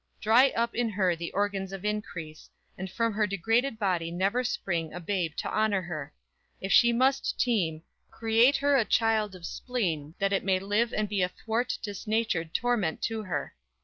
Dry up in her the organs of increase; And from her degraded body never spring A babe to honor her! If she must teem, Create her a child of spleen; that it may live And be a thwart disnatured torment to her!